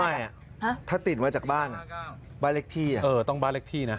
ไม่ถ้าติดมาจากบ้านบ้านเลขที่ต้องบ้านเลขที่นะ